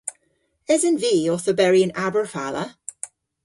Esen vy owth oberi yn Aberfala?